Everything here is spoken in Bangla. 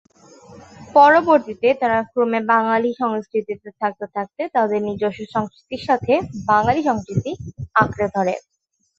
পরবর্তীতে তারা ক্রমে বাঙালি সংস্কৃতিতে থাকতে থাকতে তাদের নিজেস্ব সংস্কৃতির সাথে বাঙালি সংস্কৃতি আঁকড়ে ধরে।